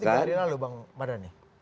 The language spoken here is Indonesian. tiga hari lalu bang mardhani